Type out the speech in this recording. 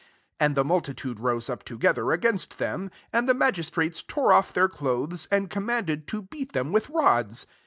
22 Aad the multitude rose up together against them : and the magis trates tore off their clothes, and commanded to beat them vritk rods.